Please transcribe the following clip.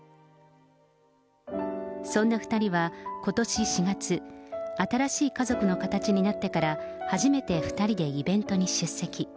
そんな２人は、ことし４月、新しい家族の形になってから初めて２人でイベントに出席。